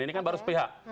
ini kan baru sepihak